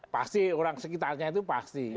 pasti orang sekitarnya itu pasti